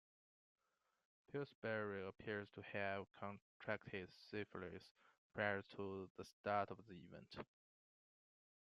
Pillsbury appears to have contracted syphilis prior to the start of the event.